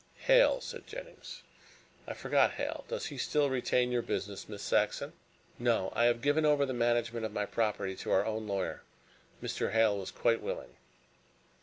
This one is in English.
"Hale," said Jennings, "I forgot Hale. Does he still retain your business, Miss Saxon?" "No. I have given over the management of my property to our own lawyer. Mr. Hale was quite willing."